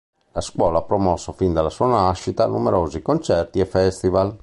La Scuola ha promosso fin dalla sua nascita numerosi concerti e festival.